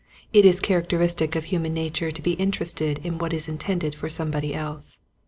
It is characteristic of human nature to be interested in what is intended for somebody else.